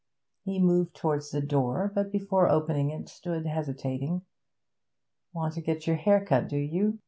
He moved towards the door, but before opening it stood hesitating. 'Want to get your hair cut, do you?